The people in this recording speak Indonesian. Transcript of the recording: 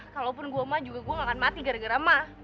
kalaupun gue mah juga gue gak akan mati gara gara mah